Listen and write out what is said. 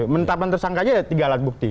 menetapkan tersangkanya ada tiga alat bukti